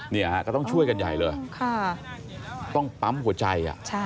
ก็ต้องช่วยกันใหญ่เลยต้องปั๊มหัวใจ